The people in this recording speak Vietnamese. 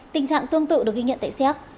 tình trạng tương tự được ghi nhận tại xeo